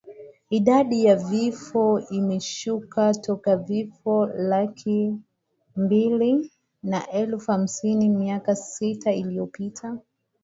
idadi ya vifo imeshuka toka vifo laki mbili na elfu hamsini miaka sita iliyopita